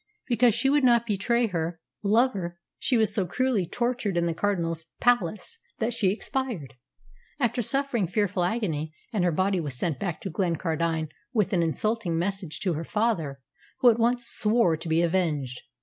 Because she would not betray her lover, she was so cruelly tortured in the Cardinal's palace that she expired, after suffering fearful agony, and her body was sent back to Glencardine with an insulting message to her father, who at once swore to be avenged.